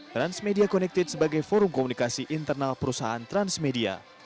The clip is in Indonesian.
transmedia connected sebagai forum komunikasi internal perusahaan transmedia